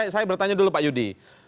saya bertanya dulu pak yudi